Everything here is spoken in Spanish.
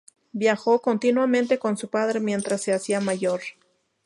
Viajó continuamente con su padre mientras se hacía mayor.